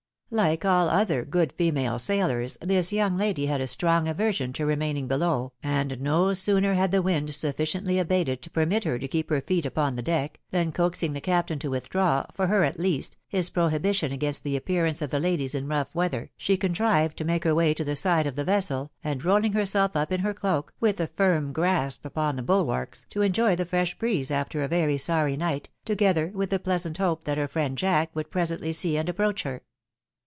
Like aU other good female sailors, this young lady had a strong aversion to remaining below, and no sooner had the wind sufficiently abated to permit her to keep her feet upon the deck, than coaxing the captain to withdraw, for her at least, his prohibition against the appearance of the ladies in rough wea ther, she contrived to make her way to the side of the vessel, and, rolling herself up in her cloak, with a firm grasp upon the bulwarks, to enjoy the fresh breeze after a very sorry night, to gether with the pleasant hope that her friend Jack would pre sently see and approach her.